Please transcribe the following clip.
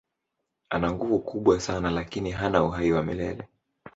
Ana nguvu kubwa sana lakini hana uhai wa milele.